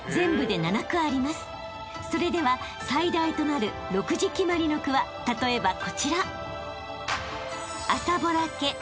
［それでは最大となる６字決まりの句は例えばこちら］